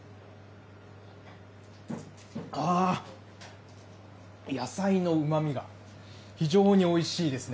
ああ、野菜のうまみが非常においしいですね。